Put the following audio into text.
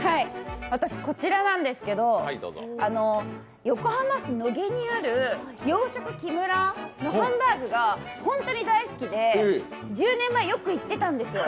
私こちらなんですけど、横浜市野毛にある洋食キムラのハンバーグが本当に大好きで１０年前、よく行ってたんですよ。